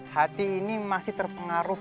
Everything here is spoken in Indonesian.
hati ini masih terpengaruh